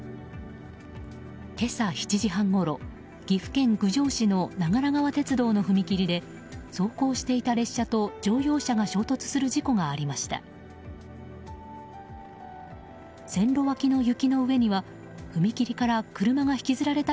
今朝７時半ごろ岐阜県郡上市の長良川鉄道の踏切で走行していた列車と乗用車が衝突する事故がありました。